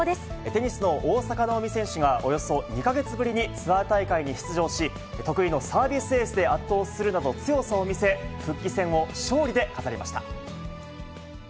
テニスの大坂なおみ選手が、およそ２か月ぶりにツアー大会に出場し、得意のサービスエースで圧倒するなど、強さを見せ、復帰戦を勝利で飾りました。